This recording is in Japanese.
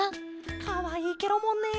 かわいいケロもんね。